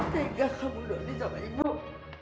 tinggalkanmu dody sama ibu